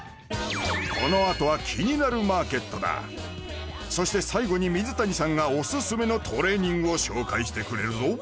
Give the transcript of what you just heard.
このあとは「キニナルマーケット」だそして最後に水谷さんがオススメのトレーニングを紹介してくれるぞ